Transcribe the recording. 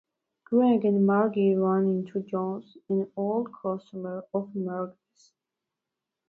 Gregg and Margy run into Jones, an old customer of Margy's.